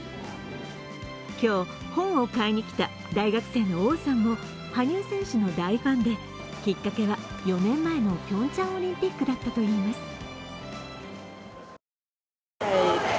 今日、本を買いにきた大学生の王さんも羽生選手の大ファンできっかけは４年前のピョンチャンオリンピックだったといいます。